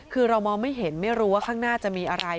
คือเรามองไม่เห็นไม่รู้ว่าข้างหน้าจะมีอะไร